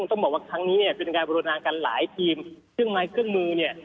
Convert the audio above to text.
ต้องบอกว่าครั้งนี้เนี่ยเป็นการบริวนากันหลายทีมเครื่องไม้เครื่องมือเนี่ย